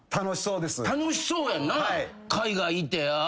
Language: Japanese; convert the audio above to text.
楽しそうやんな。